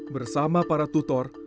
bersama para tutor